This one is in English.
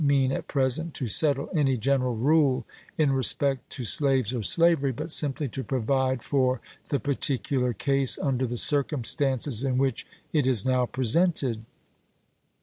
iiiean, at present, to settle any general rule in re DocX37tii spect to slaves or slavery, but simply to provide 2d°sel'8. for the particular case under the circumstances Ex Doc No. 67. ■ in which it is now presented."